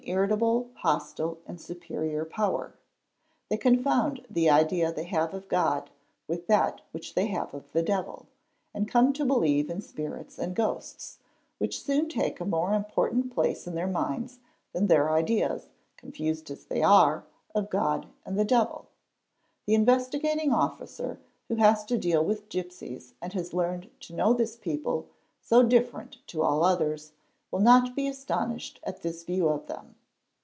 369 | irritable, hostile, and superior Power; they confound the idea they have | of God with that which they have of the devil, and come to believe in spirits and ghosts, which soon take a more important place in their minds than their ideas, confused as they are, of God and the devil. The Investigating Officer who has to deal with gipsies and has learned to know this people, so different to all others, will not be astonished at | this view of them.